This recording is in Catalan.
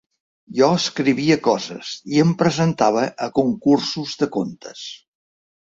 Jo escrivia coses i em presentava a concursos de contes.